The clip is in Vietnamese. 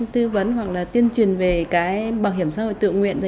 tư vấn hoặc là tuyên truyền về cái bảo hiểm xã hội tự nguyện